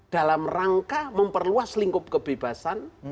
dalam rangka memperluas lingkup kebebasan